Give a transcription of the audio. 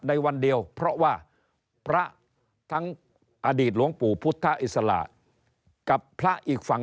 ในวันเดียวเพราะว่าพระทั้งอดีตหลวงปู่พุทธอิสระกับพระอีกฝั่ง